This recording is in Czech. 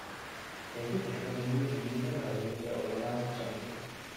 Proti poškození zimními mrazy je odolná středně.